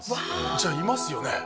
じゃあいますよね。